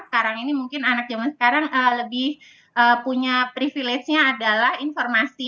sekarang ini mungkin anak zaman sekarang lebih punya privilege nya adalah informasi